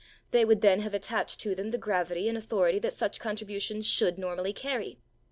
They would then have attached to them the gravity and authority that such contributions should normally carry.